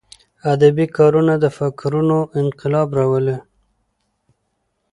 ادبي کارونه د فکرونو انقلاب راولي.